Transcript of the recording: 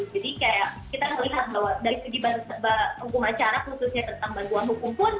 jadi kayak kita melihat bahwa dari segi hukuman cara khususnya tentang bantuan hukum pun